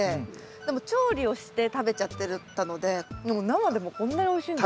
でも調理をして食べちゃってたのででも生でもこんなにおいしいんだ。